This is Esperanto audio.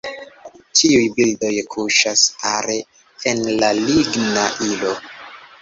Ĉiuj bildoj kuŝas are en la ligna ilo.